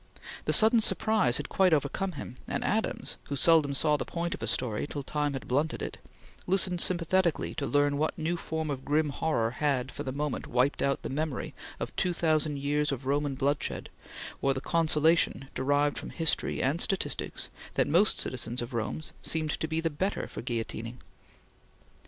The sudden surprise had quite overcome him; and Adams, who seldom saw the point of a story till time had blunted it, listened sympathetically to learn what new form of grim horror had for the moment wiped out the memory of two thousand years of Roman bloodshed, or the consolation, derived from history and statistics, that most citizens of Rome seemed to be the better for guillotining.